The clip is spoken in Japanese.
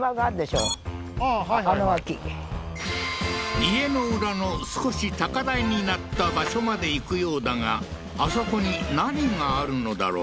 家の裏の少し高台になった場所まで行くようだがあそこに何があるのだろう？